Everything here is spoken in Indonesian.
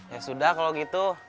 ya sudah kalau gitu